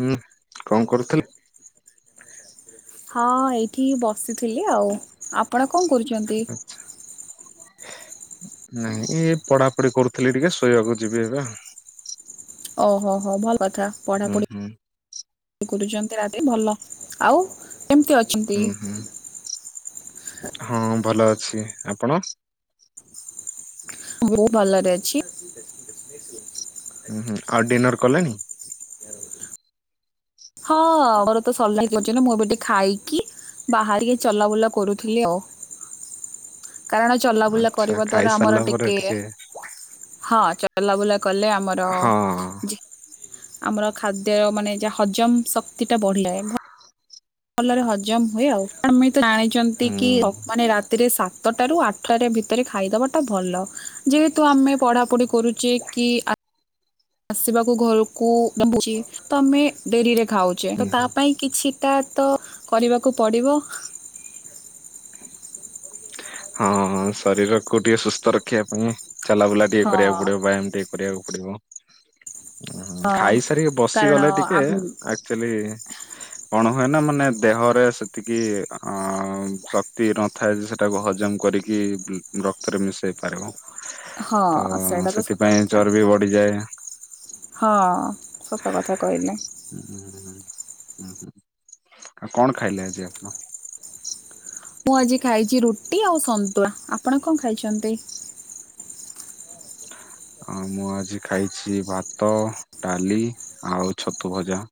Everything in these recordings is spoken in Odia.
ହୁଁ କଣ କରୁଥିଲେ? [inaudible] ହଁ ଏଇଠି ବସିଥିଲି ଆଉ। ଆପଣ କଣ କରୁଛନ୍ତି? ଆଚ୍ଛା। ନାଇଁ ଏଇ ପଢାପଢି କରୁଥିଲି ଟିକେ ଶୋଇବାକୁ ଯିବି ଏବେ ଆଉ। ଓହୋ ହୋ ହୋ ଭଲ କଥା ହୁଁ ପଢ଼ାପଢି ହୁଁ କରୁଛନ୍ତି ମାନେ ଭଲ ଆଉ କେମିତି ଅଛନ୍ତି? ହୁଁ ହୁଁ। [inaudible] ହଁ ଭଲ ଅଛି ଆପଣ? ମୁଁ ଭଲରେ ଅଛି। [inaudible] ହୁଁ ହୁଁ ଆଉ ଡିନର କଲେଣି? [unintelligible] ବାହାରିକି ଚଲାବୁଲା କରୁଥିଲି ଆଉ କାରଣ ଚଲାବୁଲା ଆଚ୍ଛା କରିବା ଦ୍ଵାରା ଆମର ଖାଇସାରିଲା ପରେ ଟିକେ ହଁ ଚଲାବୁଲା କଲେ ଆମର ହଁ ଜି ଆମର ଖାଦ୍ୟ ମାନେ ଯାହା ହଜମ ଶକ୍ତି ଟା ବଢିଲେ ଭଲରେ ହଜମ ହୁଏ ଆଉ ଆପଣ ଜାଣିଛନ୍ତି ହୁଁ କି ମାନେ ରାତିରେ ସାତ ସାତଟାରୁ ଆଠରେ ଭିତରେ ଖାଇଦେବାଟା ଭଲ ଯେହେତୁ ଆମେ ପଢ଼ାପଢ଼ି କରୁଛେ କି ଆ ଆସିବାକୁ ଘରକୁଡଛି ତ ଆମେ ଡେରିରେ ଖାଉଛେ ହୁଁ ତ ତା ପାଇଁ କିଛିଟା ତ କରିବାକୁ ପଡ଼ିବ। ହଁ ହଁ ଶରୀରକୁୁ ଟିକେ ସୁସ୍ଥ ରଖିବା ପାଇଁ ଚାଲାବୁଲା ଟିକେ ହଁ କରିବାକୁ ପଡିବ ବ୍ୟାୟାମ ଟିକେ କରିବାକୁ ପଡିବ। ହଁ ଖାଇସାରିକି କାରଣ ବସିଗଲେ ଟିକେ ଆମ ଆକ୍ଚୁଆଲି କଣ ହୁଏ ନା ମାନେ ଦେହରେ ସେତିକି ଅ ଶକ୍ତି ନଥାଏ ଯେ ସେଟାକୁ ଜମ୍ କରିକି ରକ୍ତରେ ମିଶାଇ ପାରିବ। ହଁ ତ ସେଇଟା ତ ସତ ସେଥିପାଇଁ କଥା ଚର୍ବି ବଢିଯାଏ। ହଁ। ସତ ହଁ କଥା କହିଲେ ହୁଁ ଆଉ କଣ ଖାଇଲେ ଆଜି ଆପଣ? ମୁଁ ଆଜି ଖାଇଛି ରୁଟି ଆଉ ସନ୍ତୁଳା, ଆଉ ଆପଣ କଣ ଖାଇଛନ୍ତି? ଆ ମୁଁ ଆଜି ଖାଇଛି ଭାତ ଡାଲି ଆଉ ଛତୁ ଭଜା।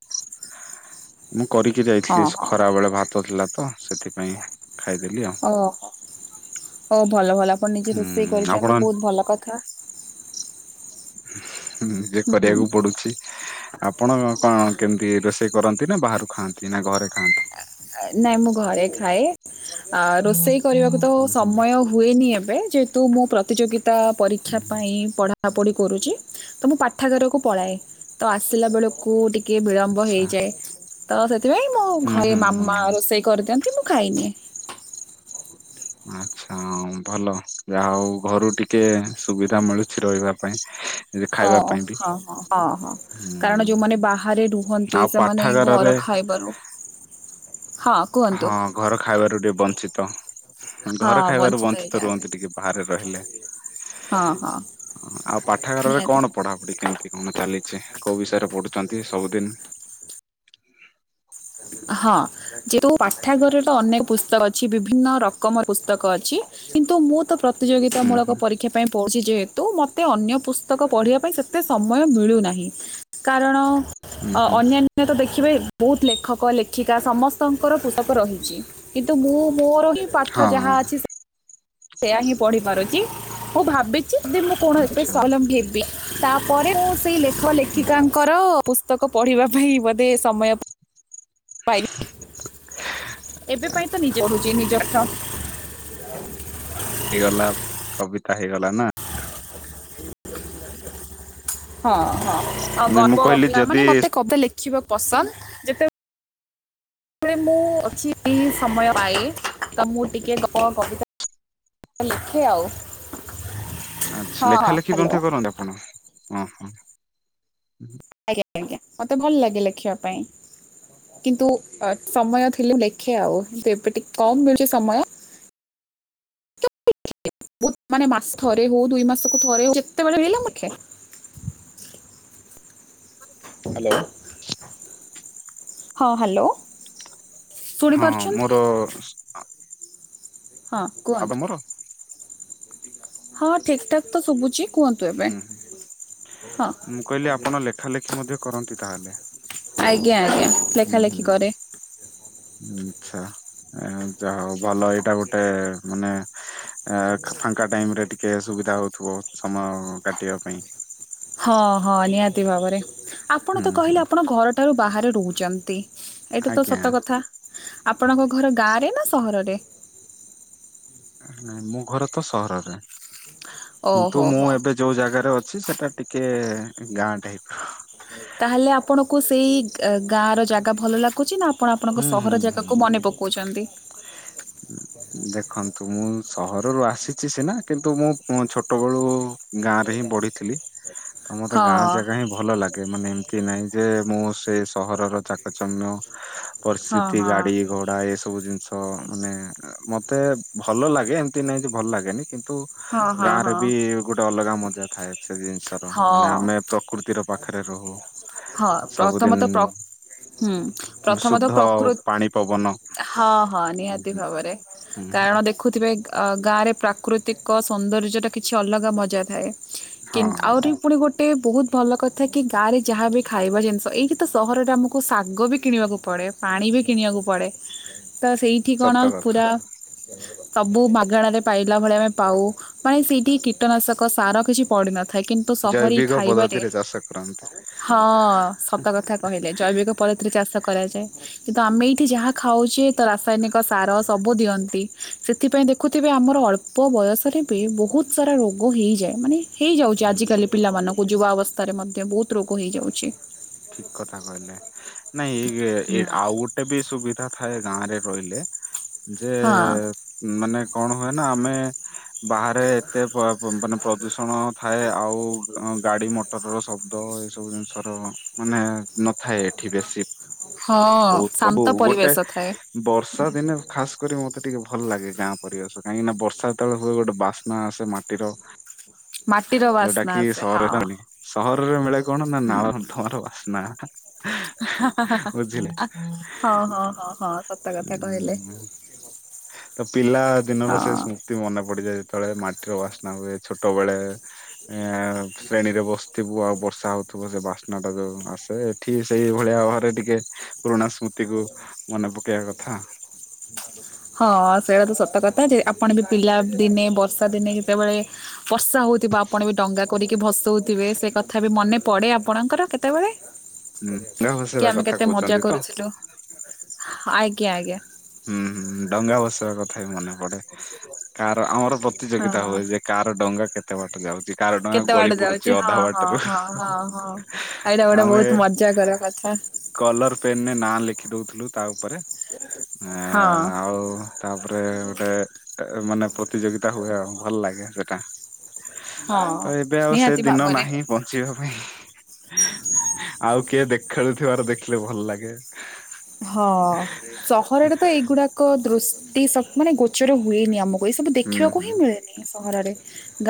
ହଁ [unintelligible] ମୁଁ କରିକି ଯାଇଥିଲି ହଁ ଖରାବେଳେ ଭାତ ଥିଲା ତ ସେଥିପାଇଁ ଖାଇଦେଲି ଆଉ। ଓ ଓ ଭଲ ଭଲ ଆପଣ ନିଜେ ରୋଷେଇ ହୁଁ ଆପଣ କରିଛନ୍ତି ବହୁତ ଭଲ କଥା। ନିଜେ ହୁଁ କରିବାକୁ ପଡୁଛି। ଆପଣ କଣ କେମିତି ରୋଷେଇ କରନ୍ତି ନା ବାହାରୁ ଖାଆନ୍ତି ନା ଘରେ ଖାଆନ୍ତି। ନାଇଁ ମୁଁ ଘରେ ଖାଏ ଆ ହୁଁ ରୋଷେଇ ହୁଁ କରିବାକୁ ତ ହୁଁ ସମୟ ହ ହୁଏନି ଏବେ ଯେହେତୁ ମୁଁ ପ୍ରତିଯୋଗିତା ପରୀକ୍ଷା ପାଇଁ ପଢ଼ା ପଢା ପଢି କରୁଛି ତ ମୁଁ ପାଠାଗାରକୁ ପଳାଏ ତ ଆସିଲା ବେଳକୁ କୁ ଟିକେ ବିଳମ୍ବ ଆଚ୍ଛା ହେଇଯାଏ ତ ସେଥିପାଇଁ ମୁ ହୁଁ ଘରେ ହୁଁ ମାମା ହୁଁ। ସେଇ କରିଦିଅନ୍ତି ମୁଁ ଖାଇନିଏ। ଆଛା ଭଲ ଯାହା ହଉ ଘରୁ ଟିକେ ସୁବିଧା ମିଳୁଛି ରହିବା ପାଇଁ। ଯେ ହଁ ଖାଇବା ପାଇଁ ବି ହଁ ହଁ ହଁ ହଁ। କାରଣ ହୁଁ ଯୋଉମାନେ ବାହାରେ ରୁହନ୍ତି ଆଉ ସେମାନେ ପାଠାଗାରରେ ଘର ଖାଇବାରୁ ହଁ। କୁହନ୍ତୁ। ହଁ ଘର ଖାଇବାରୁ ଟିକେ ବଞ୍ଚିତ। ହଁ ଘର ଖାଇବାରୁ ବଞ୍ଚିତ ହେଇଯାଆନ୍ତି ରୁହନ୍ତି ଟିକେ ବାହାରେ ରହିଲେ। ହଁ ହଁ। ଆଉ ପାଠାଗାରରେ ନିହାତି। କଣ ପଢାପଢି କେମିତି କଣ ଚାଲିଛି କୋଉ ବିଷୟରେ ପଢୁଛନ୍ତି ସବୁଦିନ? [unintelligible] ହଁ, ଯେଉଁ ପାଠାଗରର ଅନେକ ପୁସ୍ତକ ଅଛି, ବିଭିନ୍ନ ରକମର ପୁସ୍ତକ ଅଛି। କିନ୍ତୁ ମୁଁ ତ ପ୍ରତିଯୋଗିତା ହୁଁ ମୂଳକ ହୁଁ ପରୀକ୍ଷା ପଢୁଛି ଯେହେତୁ, ମତେ ଅନ୍ୟ ପୁସ୍ତକ ପଢିବା ପାଇଁ ସେତେ ସମୟ ମିଳୁନାହିଁ। କାରଣ ହୁଁ ହୁଁ ଅନ୍ୟାନ୍ୟ ତ ଦେଖିବେ, ବହୁତ ଲେଖ ଲେଖକ, ଲେଖିକା, ସମସ୍ତଙ୍କର ପୁସ୍ତକ ରହିଛି କିନ୍ତୁ ମୁଁ ମୋର ହିଁ ହଁ ପାଠ ଯାହା ଅଛି ସେୟା ହିଁ ପଢି ପାରୁଚି, ମୁଁ ଭାବିଚି ମୁଁ କଣ ଏ ଆଚ୍ଛା ସଲମ୍ବୀ ହେବି ତାପରେ ମୁଁ ସେଇ ଲେଖ ହୁଁ ହୁଁ ଲେଖିକାଙ୍କର ପୁସ୍ତକ ପଢିବା ପାଇଁ ବୋଧେ ସମୟ ଏବେ ପାଇଁ ତ, ନିଜେ ପଢ଼ୁଚି ନିଜ ପାଠ। ହେଇଗଲା, କବିତା ହେଇଗଲା ନା? ହଁ ହଁ, ଆଉ ନାଇଁ ଗପ ମୁଁ କହିଲି ଗପିଲା, ମାନେ ଯଦି ମତେ କବିତା ଲେଖ ଲେଖିବା ପସନ୍ଦ। ଯେତେବେଳେ ମୁଁ ଅଛି ବି ସମୟ ପାଏ, ତ ମୁଁ ଟିକେ କଣ କବିତା ଲେଖେ ଆଉ। ଆଛା, ହଁ ହଁ ଲେଖା ଲେଖି ହ୍ୟାଲୋ ମଧ୍ୟ କରନ୍ତି ଆପଣ? ଓହୋ। ଆଜ୍ଞା, ଆଜ୍ଞା, ମତେ ଭଲ ଲାଗେ ଲେଖିବା ପାଇଁ। କିନ୍ତୁ ଅ ସମୟ ଥିଲେ ଲେଖେ ଆଉ କିନ୍ତୁ ଏବେ ଟିକେ କମ୍ ମିଳୁଚି ସମୟ। ମାନେ ମାସ ଥରେ ହଉ, ଦୁଇ ମାସକୁ ଥରେ ହଉ, ଯେତେବେଳେ ମିଳିଲା ମୁଁ ଲେଖେ। [unintelligible] ହାଲୋ। ହଁ, ହାଲୋ। ହଁ, ମୋର ହଁ, ଆବେ କୁହନ୍ତୁ? ମୋର ହଁ ଠିକ ଠାକ୍ ତ ଶୁବୁଚି, କୁହନ୍ତୁ ଏବେ, ହୁଁ ହୁଁ ହଁ। ମୁଁ କହିଲି ଆପଣ ଲେଖା ଲେଖି ମଧ୍ୟ କରନ୍ତି ତାହେଲେ? ଆଜ୍ଞା ଆଜ୍ଞା, ଲେଖା ଲେଖି କରେ। ଆଛା, ଯା ହଉ ଭଲ, ଏଇଟା ଗୋଟେ ମାନେ ଆ ଫାଙ୍କା ଟାଇମ ରେ ଟିକେ ସୁବିଧା ହଉଥିବ, ସମୟ କାଟିବା ପାଇଁ। ହଁ ହଁ ନିହାତି ଭାବରେ, ଆପଣ ହୁଁ ତ କହିଲେ ହୁଁ ଆପଣ ଘରଠାରୁ ବାହାରେ ରହୁଚନ୍ତି। ଏଇଟା ତ ଆଜ୍ଞା ସତ କଥା, ଆପଣଙ୍କ ଘର ଗାଁରେ ନା ସହରରେ? ନାଇଁ ମୋ ଘର ତ ସହରରେ ଓହୋ କିନ୍ତୁ ମୁଁ ହୋ। ଏବେ ଯୋଉ ଜାଗାରେ ଅଛି, ସେଟା ଟିକେ ଗାଁ ଟାଇପ ର। ତାହେଲେ ଆପଣଙ୍କୁ ସେଇ ଗାଁ ର ଜାଗା ଭଲ ଲାଗୁଚି, ନା ଆପ୍ କଣ ଆପଣଙ୍କ ହୁଁ ହୁଁ ସହର ହୁଁ। ଯାଗାକୁ ମନେ ପକଉଚନ୍ତି? ହୁଁ। ଦେଖନ୍ତୁ ମୁଁ ସହରରୁ ଆସିଛି ସିନା କିନ୍ତୁ ମୋ ଛୋଟବେଳୁ ଗାଁ ରେ ହିଁ ବଢ଼ିଥିଲି। ଆଛା। ଆଉ ମତେ ଗାଁ ଜାଗା ହିଁ ଭଲ ଲାଗେ। ମାନେ ଏମିତି ନାହିଁ ଯେ, ମୁଁ ସେ ସହରର ଚାକଚମ୍ୟ ହଁ ପରିସ୍ଥିତି, ହଁ। ଗାଡି ଘୋଡା ଏ ସ ସବୁ ଜିନିଷ ମାନେ ମତେ ଭଲ ଲାଗେ, ଏମତି ନାଇଁ ଯେ ଭଲ ଲାଗେନି କିନ୍ତୁ ତୁ ହଁ ହଁ ଗାଁରେ ହଁ। ବି ଗୋଟେ ଅଲଗା ମଜା ଥାଏ। ସେ ଜିନିଷ ର, ମାନେ ହଁ ଆମେ ପ୍ରକୃତିର ପାଖରେ ରହୁ, ହଁ ପ୍ରଥମତଃ ସବୁଦିନି ପ୍ର ହୁଁ, ପ୍ରଥମତଃ ପ୍ରକୃତ୍, ପାଣି ପବନ ହଁ ହଁ ହୁଁ ନିହାତି ହୁଁ ଭାବରେ, ହୁଁ ହୁଁ କାରଣ ଦେଖ୍ ଖୁଥିବେ ଗାଁରେ ପ୍ରାକୃତିକ ସୌନ୍ଦର୍ଯ୍ୟଟା କିଛି ଅଲଗା ମଜା ଥାଏ। କି ହଁ। ଆହୁରି ପୁଣି ଗୋଟେ ବହୁତ ଭଲ କଥା କି ଗାଁରେ ଯାହା ବିି ଖାଇବା ଜିନିଷ ଏଇକି ତ ସହରରେ ଆମକୁ ଶାଗ ବି କିଣିବାକୁ ପଡ ପୁଣି ପାଣି ବି କିଣିବାକୁ ପଡେ ତ ସେଇଠି କଣ ସତ କଥା ପୁରା ସବୁ ମାଗଣାରେ ପାଇଲା ଭଳି ଆମେ ପାଉ। ମାନେ ସେଇଠି କୀଟନାଶକ ସାର କିଛି ପଡିିନଥାଏ କି ତ ସହରୀ ଜୈବିକ ଖାଇବାରେ ପଦ୍ଧତିରେ ଚାଷ କରନ୍ତି। ହଁ ସତ କଥା କହିଲେ ଜୈବିକ ପରିତିରେ ଚାଷ କରାଯାଏ। କିନ୍ତୁ ଆମେ ଏଇଠି ଯାହା ଖାଉଚେ ତ ରାସାୟନିକ ସାର ସବୁ ଦିଅନ୍ତି ସେଥିପାଇଁ ଦେ ଖୁଥିବେ ଆମର ଅଳ୍ପ ବୟସରେ ବି ବହୁତ ସାରା ରୋଗ ହେଇଯାଏ ମାନେ ହେଇଯାଉ ଯେ ହୁଁ ହୁଁ ଆଜିକାଲି ପିଲାମାନଙ୍କୁ ଯୁବା ଅବସ୍ଥାରେ ମଧ୍ୟ ବହୁତ ରୋଗ ହେଇଯାଉଚି। ଠିକ କଥା କହିଲେ ନାଇଁ ଇ ଆଉ ଗୁ ଏବେ ସୁବିଧା ଥାଏ ଗାଁ ରେ ରହିଲେ ଯେ ହଁ ମାନେ କଣ ହୁଏ ନା ଆମେ ବାହାରେ ଏତେ ପ ମାନେ ପ୍ରଦୂଷଣ ଥାଏ ଆଉ ଗାଡି ମଟର ର ଶବ୍ଦ ଏଇ ସବୁ ଜିନିଷ ର ମାନେ ନଥାଏ ଏଠି ବେଶୀ। ହଁ। ବହୁତ କ ହଉ ଶାନ୍ତ ଗୋଟେ ପରିବେଶ ଥାଏ ବର୍ଷା ଦିନେ ଖାସ୍ ମତେ ଟିକେ ଭଲ ଲାଗେ ଗାଁ ପରିବେଶ କାହିଁକି ନା ବର୍ଷା ଯେତବେଳେ ହୁଏ ଗୋଟେ ବାସ୍ନା ଆସେ ମାଟିର ମା ଯଉଟା କି ସହରରେ [inaudible] ସହରରେ ମିଳେ କଣ ନା ହୁଁ ନାଳ ନର୍ଦ୍ଦମାର ବାସ୍ନା। ହଁ ବୁଝିଲେ ହଁ ହଁ ହଁ ସତ କଥା କହିଲେ। ଉଁ ତ ପିଲା ଦିନର ସେ ହଁ। ସ୍ମୃ ମନେ ପଡିଯାଏ ଯେତବେଳେ ମାଟିର ବାସ୍ନା ହୁଏ ଛୋଟ ବେଳେ ଏ ଶ୍ରେଣୀରେ ବସିଥିବୁ ଆଉ ବର୍ଷା ହଉଥିବ ସେ ବାସ୍ ସ୍ନା ଯଉ ଆସେ ଏଠି ସେଇ ଭଳିଆ ଘରେ ଟିକେ ପୁରୁଣା ସ୍ମୃତି କୁ ମନେପ କେଇବା କଥା। ହଁ ସେଇଟା ତ ସତ କଥା ଯେ ଆପଣ ବି ପିଲା ଦିନେ ବର୍ଷା ଦିନେ ଯେତେବେଳେ ବର୍ଷା ହଉଥିବ ଆପଣ ବି ଡଙ୍ଗା କରିକି ଭସଉଥିବେ ସେ କଥା ବି ମନେ ପଡେ ଆପଣଙ୍କର କେତେବେଳେ ହୁଁ ଡଙ୍ଗା କି ଭସେଇବା ଆମେ କଥା କେତେ ମଜା କହୁଛନ୍ତି ତ କରୁଥିଲୁ ଆଜ୍ଞା ଆଜ୍ଞା। ହୁଁ ହୁଁ ଡଙ୍ଗା ବସିବା କଥା ବି ମନେ ପଡେ କାର ଆମର ପ୍ରତିଯୋଗିତା ହଁ। ହୁଏ ଯେ କାର ଡଙ୍ଗା କେତେ ବାଟ ଯାଉଚି? କାର ଡଙ୍ଗା କେତେ ବାଟ ଗଳି ଯାଉଛି ପଡୁଚି ହଁ ଅଧା ହଁ ବାଟରୁ ହଁ ହଁ ହଁ। ଏଇଟା ଗୋଟେ ଆମେ ବହୁତ ମଜା କର କଥା କଲର ପେନ ରେ ନାଁ ଲେଖି ଦଉଥିଲୁ ତା ଉପରେ ଏ ହଁ ଆଉ ତାପରେ ଗୋଟେ ମାନେ ପ୍ରତିଯୋଗିତା ହୁଏ ଆଉ। ଭଲ ଲାଗେ ସେଟା ହଁ ତ ଏବେ ଆଉ ସେ ନିହାତି ଦିନ ଭାବରେ। ନାହିଁ। ଚିବା ପାଇଁ ଆଉ କିଏ ଦେ ଖେଳୁଥିବାର ଦେଖିଲେ ଭଲ ଲାଗେ। ହଁ ସହରରେ ତ ଏଇଗୁଡାକ ଦୃଷ୍ଟି ସବ ମାନେ ଗୋଚର ହୁଏନି ଆମ ହୁଏ ସବୁ ହୁଁ ଦେଖିବାକୁ ହୁଁ ହିଁ ମିଳେନି ସହରରେ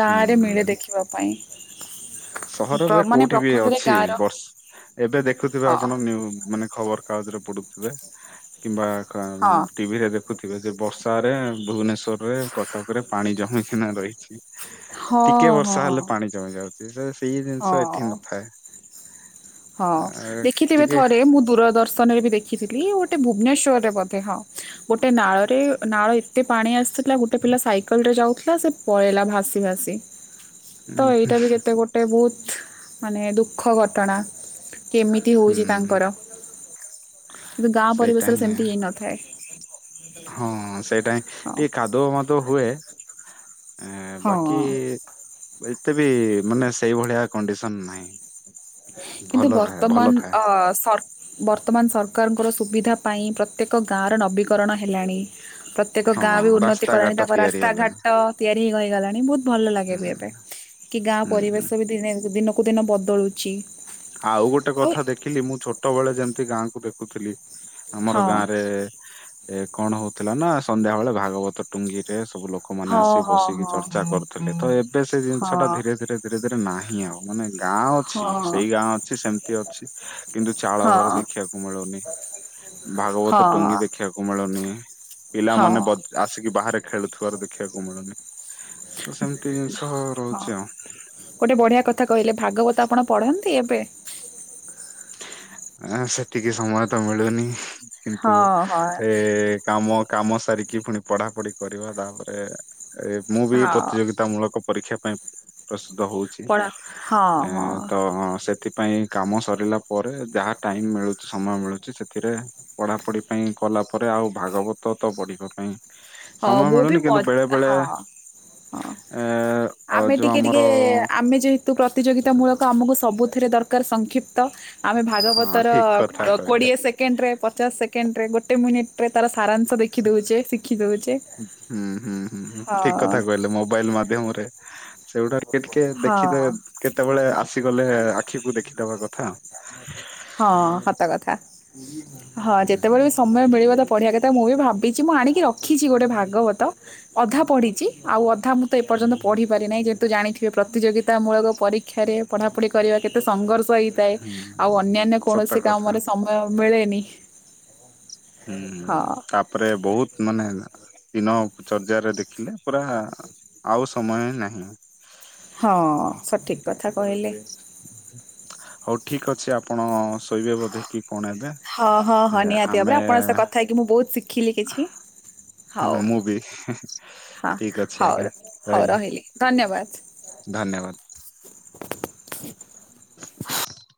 ଗାଁ ରେ ମିଳେ ହୁଁ ଦେଖିବା ପାଇଁ। ପ୍ର ସହରରେ ମାନେ କୋଉଠି ବି ପ୍ରକୃତରେ ଅଛି ଗାଁର ବର୍ଷ ଏବେ ଦେଖୁଥିବେ ହଁ ଆପଣ ନି ମାନେ ଖବର କାଗଜରେ ପଡୁଥିବେ କିମ୍ବା ହଁ। ଟିଭିରେ ଦେଖୁଥିବେ ଯେ ବର୍ଷାରେ ଭୁବନେଶ୍ବରରେ କଟକ ରେ ପାଣି ଜମିଚିନା ରହିଚି? ହଁ ଟିକେ ବର୍ଷା ହଁ ହେଲେ ପାଣି ଜମି ଯାଉଚି ସେ ସେଇ ଜିନିଷ ଏଠି ହଁ। ନଥାଏ। ହଁ ଦେଖିଥିବେ ଟିକେ ଥରେ ମୁଁ ଦୂରଦର୍ଶନ ରେ ବି ଦେ ଖିଥିଲି ଗୋଟେ ଭୁବନେଶ୍ୱରରେ ବୋଧେ ହଁ ଗୋଟେ ନାଳରେ ନାଳ ଏତେ ପାଣି ଆସିଥିଲା ଗୋଟେ ପିଲା ସାଇକେଲ ରେ ଯାଉଥିଲା ସେ ପଳେଇଲା ଭାସି ଭାସି। ତ ଏଇଟା ବି କେତେ ଗୋଟେ ବହୁତ ମାନେ ଦୁଃଖ ଘଟଣା। କେମିତି ହଉଛି ହୁଁ ତାଙ୍କର କିନ୍ତୁ ଗାଁ ସେଇଟା ପରିବେଶରେ ହିଁ ସେମିତି ହେଇ ନଥାଏ। ହଁ ସେଇଟା ହଁ ଟିକେ କାଦୁଅ ମଦୁଅ ହୁଏ। ଆ ବାକି ହଁ। ଏତେ ବି ମାନେ ସେଇଭଳିଆ କଣ୍ଡିସନ ନାହିଁ। କିନ୍ତୁ ଭଲ ରହେ ଭଲ ବର୍ତ୍ତମାନ ଥାଏ ଅ ସର ବର୍ତ୍ତମାନ ସରକାରଙ୍କର ସୁବିଧା ପାଇଁ ପ୍ରତ୍ୟେକ ଗାଁର ନବୀକରଣ ହେଲାଣି ପ ପ୍ରତ୍ୟେକ ହଁ ଗାଁ ବି ଉନ୍ନତି କଲାଣି ରାସ୍ତାଘାଟ ତାଙ୍କ ତିଆରି ରାସ୍ତାଘାଟ ହେଲାଣି ତିଆରି ହେଇ ହୋଇଇଗଲାଣି ବହୁତ ଭଲ ଲାଗେ ହୁଁ ବି ଏବେ କି ଗାଁ ହୁଁ ହୁଁ। ପରିବେଶ ବି ଦିନେ ଦିନକୁ ଦିନ ବଦଳୁ ଛି। ଆଉ ଗୋଟେ କଥା ଦେଖିଲି ମୁଁ ଛୋଟ ବେଳେ ଯେମିତି ଗାଁକୁ ଦେଖୁଥିଲି ହଁ ଆମର ଗାଁ ରେ ଏ କଣ ହଉଥିଲା ନା ସନ୍ଧ୍ୟାବେେଳେ ଭାଗବତ ଟୁଙ୍ଗିରେ ସବୁ ଲୋକମାନେ ଆସିିକି ହଁ ବସିକି ହଁ ଚର୍ଚ୍ଚା କରୁଥିଲେ ତ ଏବେ ସେ ହଁ ଜିନିଷ ହଁ ଟା ଧୀରେ ଧୀରେ ଧୀରେ ଧୀରେ ନାହିଁ ଆଉ ମାନେ ଗାଁ ଅଛି ହଁ। ସେଇ ସେମିତି ଅଛି କିନ୍ତୁ ଚାଳ ହଁ ଘର ଦେଖିବାକୁ ମିଳୁନି। ଭାଗବତ ହଁ ଟୁଙ୍ଗି ଦେଖିବାକୁ ମିଳୁନି ହଁ ପିଲାମାନେ ବ ଆସିକି ବାହାରେ ଖେଳୁଥିବାର ଦେଖିବାକୁ ମିଳୁନି। ସେମିତି ଜିନିଷ ହଁ। ରହୁଛି ଆଉ। ଗୋଟେ ବଢ଼ିଆ କଥା କହିଲେ ଭାଗବତ ଆପଣ ପଢ଼ନ୍ତି ଏବେ। ଆ ସେତିକି ସମୟ ତ ମିଳୁନି କିନ୍ତୁ ହଁ ହଁ ଏ [inaudible] କାମ କାମ ସାରିକି ପୁଣି ପଢାପଢି କରିବା ତାପରେ ଏ ମୁଁ ବି ହଁ ପ୍ରତିଯୋଗିତା ମୂଳକ ପରୀକ୍ଷା ପାଇଁ ପ୍ରସ୍ତୁତ ହଉଛି ପଢ ହଁ ଏ ହଁ। ତ ସେଥିପାଇଁ କାମ ସରିଲା ପରେ ଯାହା ଟାଇମ ମିଳୁଛି ସମୟ ମିଳୁଛି ସେଥିରେ ପଢା ପଢି ପାଇଁ କଲା ପରେ ଆଉ ଭାଗବତ ତ ପଢିଗ କାଇଁ ହଁ ସମୟ ମୁଁ ବି ମିଳୁନି ମ କିନ୍ତୁ ବେଳେ ବେଳେ ହଁ ହଁ। ଏ ଯୋଉ ଆମର ତୁ ପ୍ରତିଯୋଗିତା ମୂଳକ ଆମକୁ ସବୁଥିରେ ଦରକାର ସଂକ୍ଷିପ୍ତ ଆମେ ହଁ ଭାଗବତର ଠିକ କଥା କହିଲେ। କୋଡ଼ିଏ ସେକେଣ୍ଡରେ ପଚାଶ ସେକେଣ୍ଡରେ ଗୋଟେ ମିନିଟ୍ ତାର ସାରାଂଶ ଦେଖି ଦଉଛେ ଶି ହୁଁ ହୁଁ ହୁଁ ଠିକ ହଁ କଥା କହିଲେ ମୋବାଇଲ ମାଧ୍ୟମରେ। ସେଗୁଡା ଟିକେ ଟିକେ ହଁ ଦେଖିଦେ କେତେବେଳେ ଆସିଗଲେ ଆଖିକୁ ଦେଖିଦବା କଥା। [inaudible] ହଁ ସତ କଥା ହଁ ହୁଁ ହୁଁ ଯେତେବେଳେ ବି ସ ତମେ ମିଳିବ ତ ପଢିବା କଥା ମୁଁ ବି ଭାବିଛି ମୁଁ ଆଣିକି ରଖିଛି ଗୋଟେ ଭାଗବତ ଅଧା ପଢ଼ିଛି ଆଉ ଅଧା ମୁଁ ଏପର୍ଯ୍ୟନ୍ତ ପଢି ପାରି ନାହିଁ ଯେହେତୁ ଜାଣିଥିବେ ପ୍ରତିଯୋଗିତା ମୂଳକ ପରୀକ୍ଷାରେ ପଢାପଢି କରିବା କେତେ ସଂଘର୍ଷ ହେଇଥାଏ ହୁଁ ଆଉ ହୁଁ ଅନ୍ୟାନ୍ୟ ସତ କୌଣସି କଥା କାମରେ ସମୟ ମିଳେନି। ହଁ। ହୁଁ ତାପରେ ବହୁତ ମାନେ ଦିନଚର୍ଯା ରେ ଦେଖିଲେ ପରା ଆଉ ସମୟ ନାହିଁ। ହଁ ହଉ ସଠିକ୍ କଥା କହିଲେ। ହଉ ଠିକ ଅଛି ଆପଣ ଶୋଇବେ ବୋଧେ କି? କଣ ଏବେ? ହଁ ହଁ ଏ ହଁ ନିହାତି ଆମେ ଭାବରେ ଆପଣଙ୍କ ସହ କଥା ହେଇକି ମୁଁ ବହୁତ ଶିଖିଲି କିଛି। ହଁ ହଉ ମୁଁ ବି ହ ଠିକ ଅଛି ଆଜ୍ଞା ହଉ ହଉ ରହିଲି ଧନ୍ୟବାଦ। ଧନ୍ୟବାଦ। [inaudible]